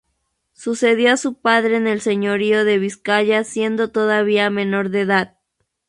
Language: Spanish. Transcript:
Sucedió a su padre en el señorío de Vizcaya siendo todavía menor de edad.